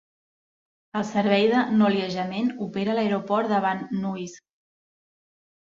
El servei de noliejament opera a l'aeroport de Van Nuys.